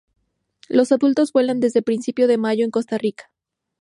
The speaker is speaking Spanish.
Los adultos vuelan desde principio de mayo en Costa Rica.